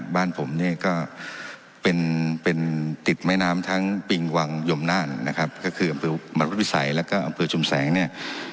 บ้านผมเนี่ยก็เป็นเป็นติดแม่น้ำทั้งปิงวังยมนานนะครับก็คืออำเภอมรดวิสัยแล้วก็อำเภอชุมแสงเนี่ย